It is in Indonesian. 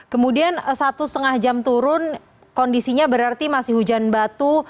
kemudian satu setengah jam turun kondisinya berarti masih hujan batu